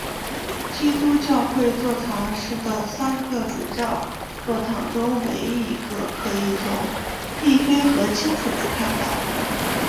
基督教会座堂是的三个主教座堂中唯一一个可以从利菲河清楚地看到的。